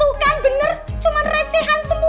oh kan bener cuma recehan semua